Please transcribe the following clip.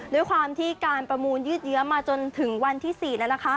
โดยความที่การประมูลยืดเยอะมาจนถึงวันที่๔นั้น